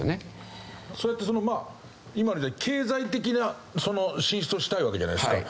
そうやってその今みたいに経済的な進出をしたいわけじゃないですか。